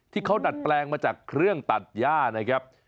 ดัดแปลงมาจากเครื่องตัดย่านะครับ